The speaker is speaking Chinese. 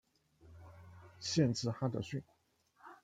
县治哈得逊。